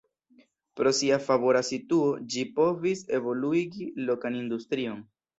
Pro sia favora situo ĝi povis evoluigi lokan industrion.